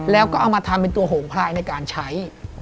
แล้วก็เอามาทำเป็นตัวโหงพลายในการใช้